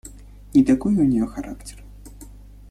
Не такой у нее характер.